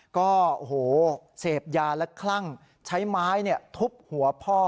ก็เสพยาและคลั่งใช้ไม้ทุบหัวพ่อ